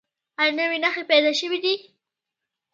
ایا نوي نښې پیدا شوي دي؟